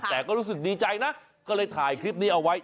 แต่ก็รู้สึกดีใจนะก็เลยถ่ายคลิปนี้เอาไว้